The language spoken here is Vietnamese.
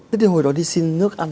thế thì hồi đó đi xin nước ăn à